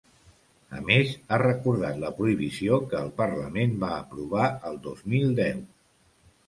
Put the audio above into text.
A més, ha recordat la prohibició que el parlament va aprovar el dos mil deu.